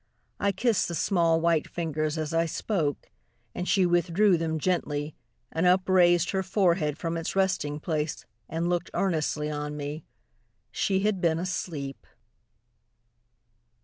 I kissed the small white fingers as I spoke, And she withdrew them gently, and upraised Her forehead from its resting place, and looked Earnestly on me She had been asleep!